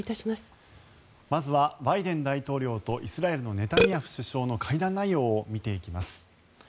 まずはバイデン大統領とイスラエルのネタニヤフ首相の会談内容を見ていきます。